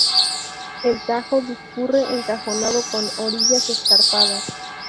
El Tajo discurre encajonado con orillas escarpadas.